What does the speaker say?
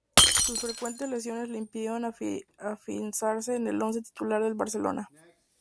Sus frecuentes lesiones le impidieron afianzarse en el once titular del Barcelona.